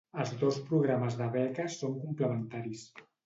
Els dos programes de beques són complementaris.